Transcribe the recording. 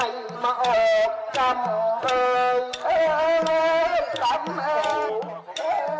อยู่คู่กับชุมชนสืบไปค่ะ